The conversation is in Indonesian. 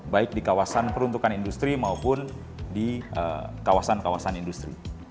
baik di kawasan peruntukan industri maupun di kawasan kawasan industri